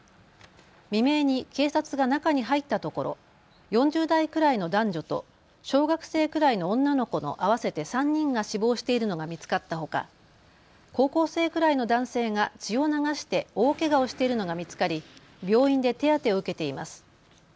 未明に警察が中に入ったところ４０代くらいの男女と小学生くらいの女の子の合わせて３人が死亡しているのが見つかったほか、高校生くらいの男性が血を流して大けがをしているのが見つかり病院で手当てを受けています。